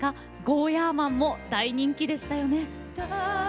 ゴーヤーマン、人気でしたよね。